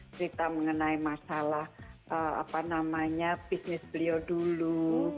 cerita mengenai masalah apa namanya bisnis beliau dulu